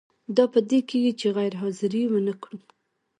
دا په دې کیږي چې غیر حاضري ونه کړو.